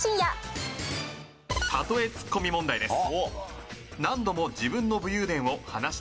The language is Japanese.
「例えツッコミ問題です」